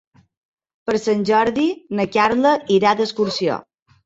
Per Sant Jordi na Carla irà d'excursió.